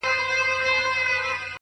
ژور فکر تېروتنې کموي!